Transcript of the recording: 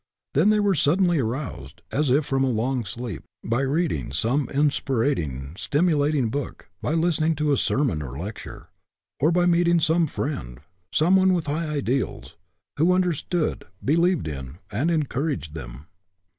Then they were suddenly aroused, as if from a long sleep, by reading some inspir ing, stimulating book, by listening to a sermon or a lecture, or by meeting some friend, some one with high ideals, who understood, be lieved in, and encouraged them.